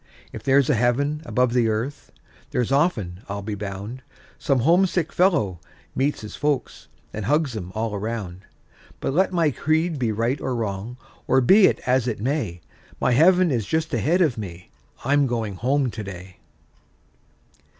If there's a heaven above the earth, there often, I'll be bound, Some homesick fellow meets his folks, and hugs 'em all around. But let my creed be right or wrong, or be it as it may, My heaven is just ahead of me—I'm going home to day.